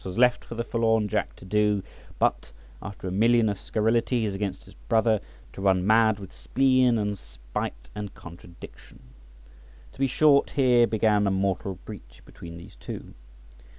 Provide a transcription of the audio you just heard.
was left for the forlorn Jack to do, but, after a million of scurrilities against his brother, to run mad with spleen, and spite, and contradiction. To be short, here began a mortal breach between these two.